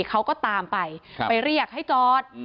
เขาก็ตามไปไปเรียกให้จอด